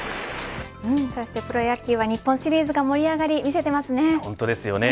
プロ野球は日本シリーズが盛り上がり見せてますね。